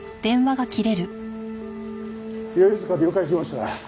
世々塚了解しました。